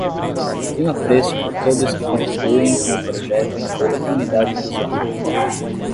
Tenho apreço por todos que contribuem com o projeto em toda a comunidade lusófona